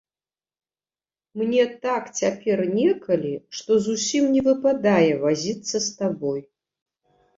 Мне так цяпер некалі, што зусім не выпадае вазіцца з табой.